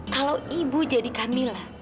kalau ibu jadi kamila